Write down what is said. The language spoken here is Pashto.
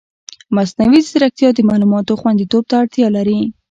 مصنوعي ځیرکتیا د معلوماتو خوندیتوب ته اړتیا لري.